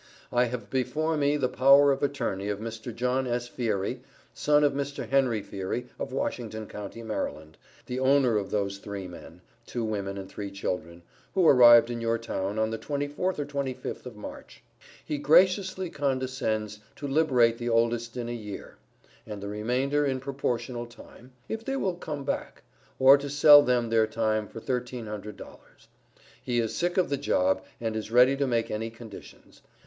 I have before me the Power of Attorney of Mr. John S. Fiery, son of Mr. Henry Fiery, of Washington county, Md., the owner of those three men, two women and three children, who arrived in your town on the 24th or 25th of March. He graciously condescends to liberate the oldest in a year, and the remainder in proportional time, if they will come back; or to sell them their time for $1300. He is sick of the job, and is ready to make any conditions.